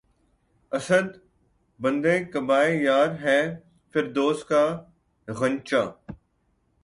اسد! بندِ قباے یار‘ ہے فردوس کا غنچہ